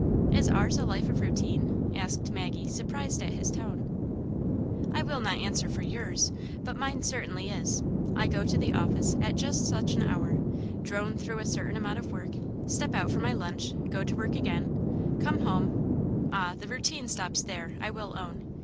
"Is ours a life of routine?" asked Maggie, sur prised at his tone. " I will not answer for yours, but mine certainly is. I go to the office at just such an hour, drone through a certain amount of work, step out for my Junch, go to work again, come home — ah, the routine Aunt Janets Hero. 217 stops there, I will own.